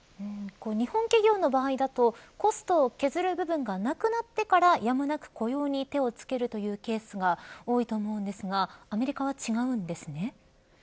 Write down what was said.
日本企業の場合だとコストを削る部分がなくなってからやむなく雇用に手をつけるというケースが多いと思いますがアメリカは違うんですね。